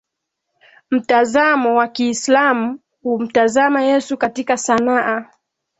Mtazamo wa Kiislamu humtazama Yesu katika sanaa